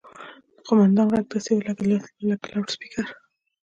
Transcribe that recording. د قوماندان غږ داسې و لکه له لوډسپيکره.